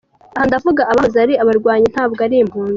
Aha ndavuga abahoze ari abarwanyi, ntabwo ari impunzi.